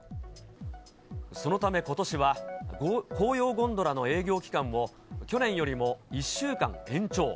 そのためことしは、紅葉ゴンドラの営業期間を、去年よりも１週間延長。